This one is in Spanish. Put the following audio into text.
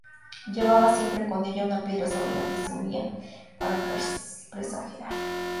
Llevaba siempre con ella una piedra sobre la que se subía para presagiar.